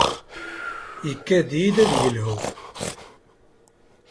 Ikad-iyi-d ad yelhu.